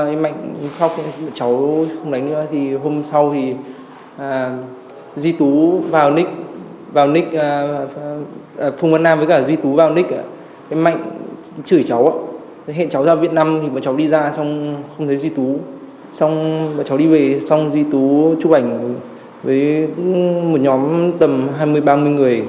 em mạnh khóc cháu không đánh ra gì